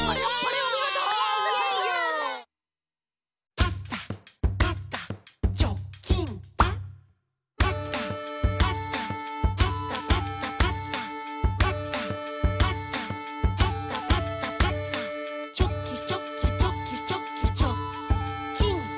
「パタパタパタパタパタ」「パタパタパタパタパタ」「チョキチョキチョキチョキチョッキン！」